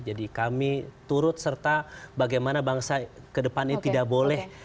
jadi kami turut serta bagaimana bangsa kedepannya tidak boleh